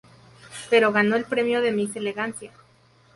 Pero ganó el premio de "Miss Elegancia".